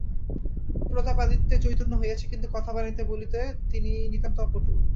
প্রতাপাদিত্যের চৈতন্য হইয়াছে, কিন্তু কথা বানাইয়া বলিতে তিনি নিতান্ত অপটু।